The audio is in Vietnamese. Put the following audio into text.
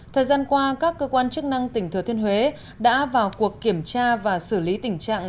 thời gian qua các cơ quan chức năng tỉnh thừa thiên huế đã vào cuộc kiểm tra và xử lý tình trạng